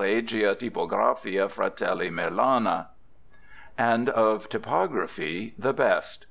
Regia Tipografia Fratelli Merlani," and of typography the best.